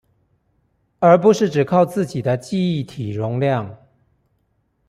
而不是只靠自己的記憶體容量